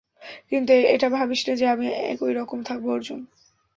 কিন্তু এটা ভাবিস না যে আমি একই রকম থাকবো, অর্জুন।